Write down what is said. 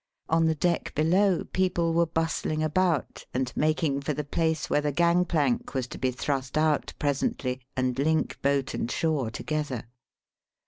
On the deck below people were bustling about and making for the place where the gangplank was to be thrust out presently, and link boat and shore together.